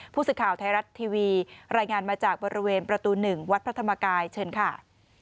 ผู้สื่อข่าวไทยรัฐทีวีรายงานมาจากบริเวณประตู๑วัดพระธรรมกายเชิญค่ะ